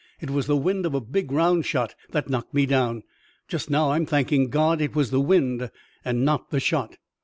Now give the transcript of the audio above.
"It was the wind of a big round shot that knocked me down. Just now I'm thanking God it was the wind and not the shot."